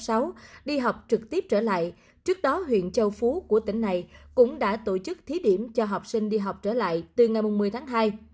đi học trực tiếp trở lại trước đó huyện châu phú của tỉnh này cũng đã tổ chức thí điểm cho học sinh đi học trở lại từ ngày một mươi tháng hai